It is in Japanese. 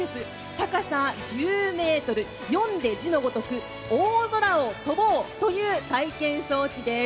高さ１０ｍ、読んで字のごとく大空を飛ぼうという体験装置です。